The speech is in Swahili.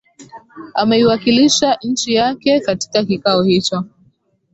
ameiwakilisha nchi yake katika kikao hicho